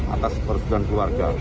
atas perusahaan keluarga